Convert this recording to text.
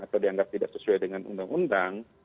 atau dianggap tidak sesuai dengan undang undang